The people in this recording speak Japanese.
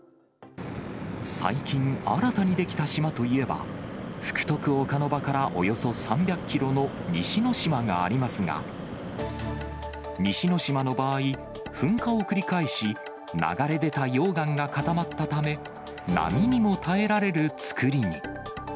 最近、新たに出来た島といえば、福徳岡ノ場からおよそ３００キロの西之島がありますが、西之島の場合、噴火を繰り返し、流れ出た溶岩が固まったため、波にも耐えられる作りに。